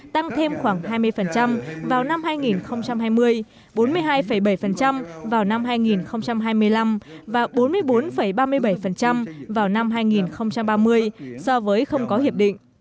tăng thêm khoảng hai mươi vào năm hai nghìn hai mươi bốn mươi hai bảy vào năm hai nghìn hai mươi năm và bốn mươi bốn ba mươi bảy vào năm hai nghìn ba mươi so với không có hiệp định